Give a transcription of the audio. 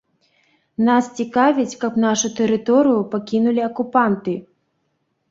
Нас цікавіць, каб нашу тэрыторыю пакінулі акупанты.